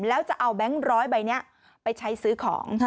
แล้วจะเอาแบงค์ร้อยใบนี้ไปใช้ซื้อของ